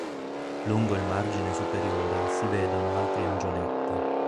Lungo il margine superiore si vedono altri angioletti.